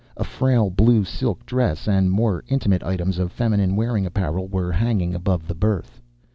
A frail blue silk dress and more intimate items of feminine wearing apparel were hanging above the berth.